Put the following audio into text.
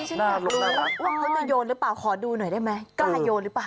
ฉันอยากรู้ว่าเขาจะโยนหรือเปล่าขอดูหน่อยได้ไหมกล้าโยนหรือเปล่า